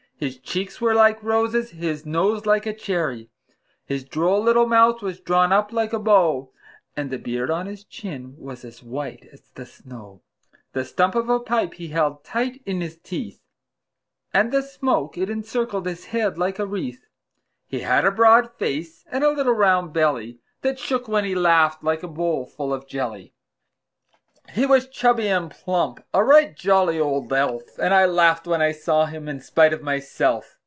His cheeks were like roses, his nose like a cherry; His droll little mouth was drawn up like a bow, And the beard on his chin was as white as the snow; The stump of a pipe he held tight in his teeth, And the smoke, it encircled his head like a wreath. He had a broad face, and a little round belly That shook when he laughed, like a bowl full of jelly. He was chubby and plump a right jolly old elf; And I laughed when I saw him in spite of myself.